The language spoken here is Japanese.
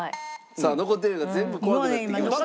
さあ残ってるのが全部怖くなってきました。